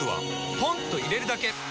ポンと入れるだけ！